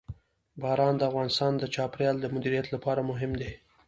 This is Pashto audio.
باران د افغانستان د چاپیریال د مدیریت لپاره مهم دي.